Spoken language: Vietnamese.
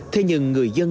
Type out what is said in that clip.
thế nhưng người dân